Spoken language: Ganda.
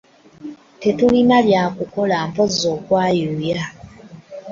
Tetulina bya kkola mpozzi okwayuuya.